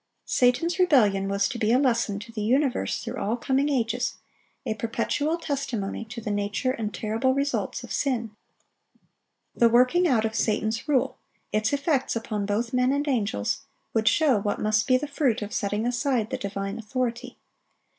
Satan's rebellion was to be a lesson to the universe through all coming ages, a perpetual testimony to the nature and terrible results of sin. The working out of Satan's rule, its effects upon both men and angels, would show what must be the fruit of setting aside the divine authority.